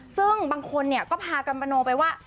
ซึ่งบางคนเนี่ยก็พากัมมโนไปว่า